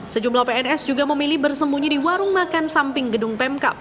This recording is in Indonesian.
sejumlah pns juga memilih bersembunyi di warung makan samping gedung pemkap